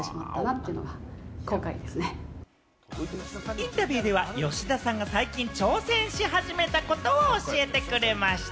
インタビューでは吉田さんが最近、挑戦し始めたことを教えてくれました。